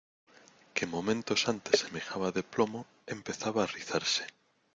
que momentos antes semejaba de plomo, empezaba a rizarse.